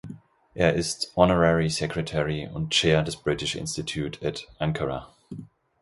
Er ist "Honorary Secretary" und "Chair" des British Institute at Ankara.